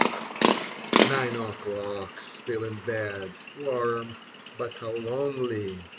Nine o'clock. Still in bed. Warm, but how lonely